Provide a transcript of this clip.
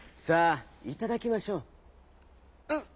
さあいただきましょう」。